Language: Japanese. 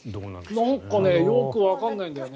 なんかよくわからないんだよね。